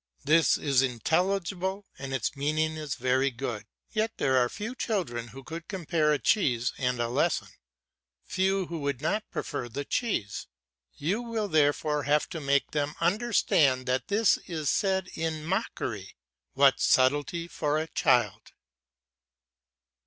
This is intelligible and its meaning is very good. Yet there are few children who could compare a cheese and a lesson, few who would not prefer the cheese. You will therefore have to make them understand that this is said in mockery. What subtlety for a child!